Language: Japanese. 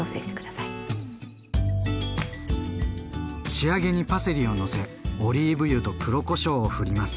仕上げにパセリをのせオリーブ油と黒こしょうをふります。